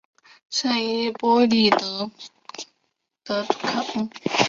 圣伊波利特德卡通。